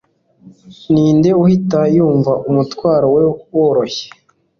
ninde uhita yumva umutwaro we woroshye